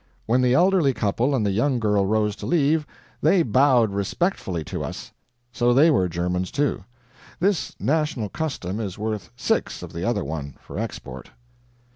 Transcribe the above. When the elderly couple and the young girl rose to leave, they bowed respectfully to us. So they were Germans, too. This national custom is worth six of the other one, for export.